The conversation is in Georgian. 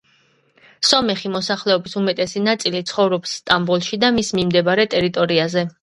სომეხი მოსახლეობის უმეტესი ნაწილი ცხოვრობს სტამბოლში და მის მიმდებარე ტერიტორიაზე.